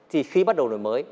thì khi bắt đầu đổi mới